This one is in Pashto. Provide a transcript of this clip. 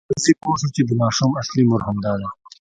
قاضي پوه شو چې د ماشوم اصلي مور همدا ده.